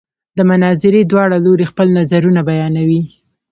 د مناظرې دواړه لوري خپل نظرونه بیانوي.